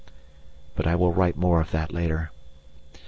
But I will write more of that later.